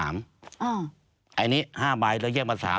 อันนี้๕ใบเราแยกมา๓